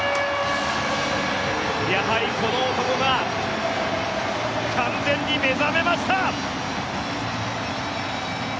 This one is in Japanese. やはりこの男が完全に目覚めました！